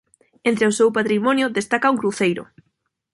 Entre o seu patrimonio destaca un cruceiro.